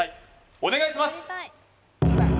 お願いします